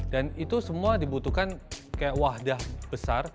dan itu semua dibutuhkan kayak wadah besar